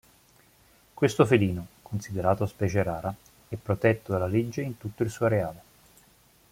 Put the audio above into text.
Questo felino, considerato specie rara, è protetto dalla legge in tutto il suo areale.